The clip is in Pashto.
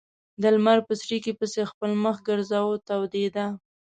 د لمر په څړیکې پسې خپل مخ ګرځاوه تودېده.